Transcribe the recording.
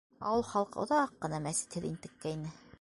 Ауыл халҡы оҙаҡ ҡына мәсетһеҙ интеккәйне.